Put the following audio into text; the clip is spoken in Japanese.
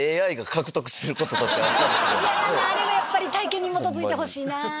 あれはやっぱり体験に基づいてほしいな。